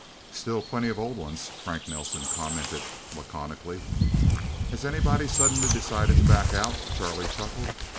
"Still plenty of old ones," Frank Nelsen commented laconically. "Has anybody suddenly decided to back out?" Charlie chuckled.